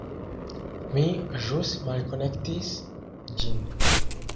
Mi ĵus malkonektis ĝin